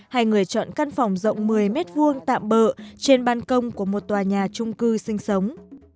hay người chọn căn phòng rộng một mươi m hai tạm bỡ trên bàn công của một tòa nhà trung cư sinh sống